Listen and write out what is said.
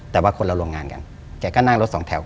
แต่ว่าคนละโรงงานกันแกก็นั่งรถสองแถว